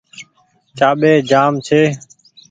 چآٻي جآم ڇي۔